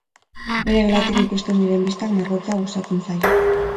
Bere gelatik ikusten diren bistak magotzea gustatzen zaio.